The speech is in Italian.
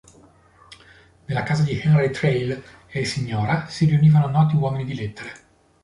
Nella casa di Henry Thrale e signora si riunivano noti uomini di lettere.